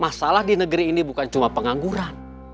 masalah di negeri ini bukan cuma pengangguran